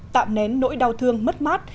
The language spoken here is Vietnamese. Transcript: tạm nén nỗi đau thương mất mát